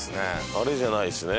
あれじゃないですね。